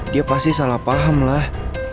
dia pasti salah paham lah